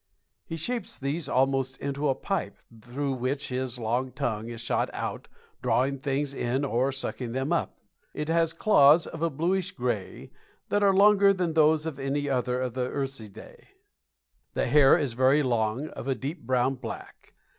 He shapes these almost into a pipe, through which his long tongue is shot out, drawing things in or sucking them up. It has claws of a bluish gray that are longer than those of any other of the Ursidae. The hair is very long, of a deep brown black.